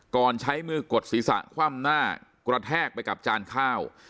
ใช้มือกดศีรษะคว่ำหน้ากระแทกไปกับจานข้าว